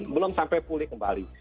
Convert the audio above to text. belum sampai pulih kembali